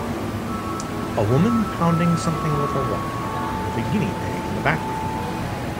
A woman pounding something with a rock, with a guinea pig in the background.